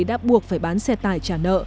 đã buộc phải bán xe tài trả nợ